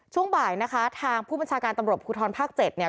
ช่วงบ่ายนะคะทางผู้บัญชาการตำรวจภูทรภาค๗เนี่ย